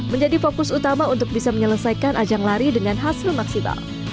menjadi fokus utama untuk bisa menyelesaikan ajang lari dengan hasil maksimal